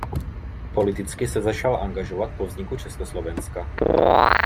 Politicky se začal angažovat po vzniku Československa.